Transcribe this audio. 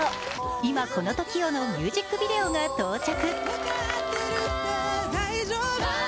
「今この瞬間を」のミュージックビデオが到着。